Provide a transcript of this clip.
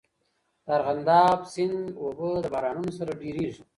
د ارغنداب سیند اوبه د بارانونو سره ډېریږي.